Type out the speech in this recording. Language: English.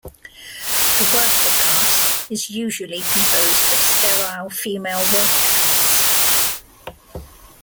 The worker caste is usually composed of sterile female worker ants.